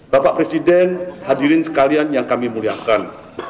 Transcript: bapak presiden hadirin sekalian yang kami muliakan